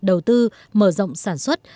đầu tư mở rộng sản xuất